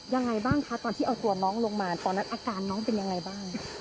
ยังไงบ้างคะตอนที่เอาตัวน้องลงมาตอนนั้นอาการน้องเป็นยังไงบ้าง